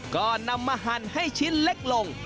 ก็นำมาหั่นให้ชิ้นเล็กลง